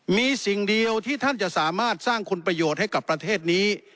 มีสิ่งเดียวที่ท่านจะสามารถสร้างคุณประโยชน์ให้กับประเทศนี้